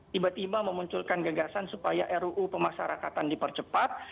tiba tiba memunculkan gagasan supaya ruu pemasarakatan dipercepat